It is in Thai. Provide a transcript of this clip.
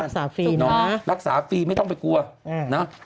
รักษาฟรีนะฮะรักษาฟรีไม่ต้องไปกลัวนะ